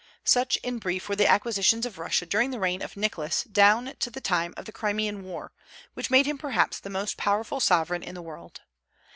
Such, in brief, were the acquisitions of Russia during the reign of Nicholas down to the time of the Crimean war, which made him perhaps the most powerful sovereign in the world.